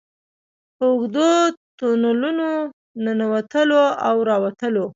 په اوږدو تونلونو ننوتلو او راوتلو.